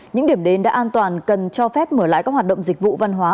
những điểm đến đã an toàn cần cho phép mở lại các hoạt động dịch vụ văn hóa